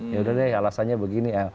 ya udah deh alasannya begini ya